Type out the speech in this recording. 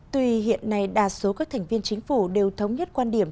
tuy hiện nay đa số các thành viên chính phủ đều thống nhất quan điểm